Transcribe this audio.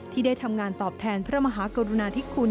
ที่ได้ทำงานตอบแทนพระมหากรุณาธิคุณ